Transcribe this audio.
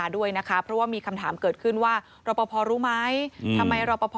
ด้วยนะคะเพราะว่ามีคำถามเกิดขึ้นว่ารอปภรู้ไหมทำไมรอปภ